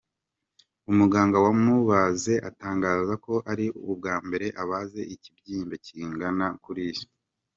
Umuganga wamubaze atangaza ko ari ubwambere abaze ikibyimba kingana kuriya.